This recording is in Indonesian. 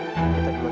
kalian bisa tapau